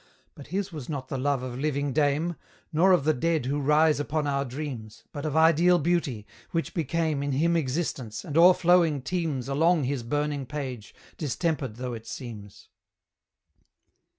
But his was not the love of living dame, Nor of the dead who rise upon our dreams, But of Ideal beauty, which became In him existence, and o'erflowing teems Along his burning page, distempered though it seems.